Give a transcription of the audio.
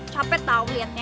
capek tau liatnya